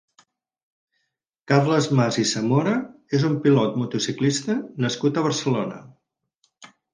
Carles Mas i Samora és un pilot motociclista nascut a Barcelona.